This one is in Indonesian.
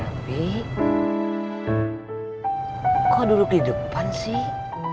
neng selvi kok duduk di depan sih